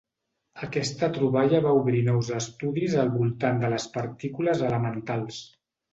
Aquesta troballa va obrir nous estudis al voltant de les partícules elementals.